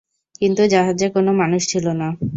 কিন্তু জাহাজে কোন মানুষ ছিল না।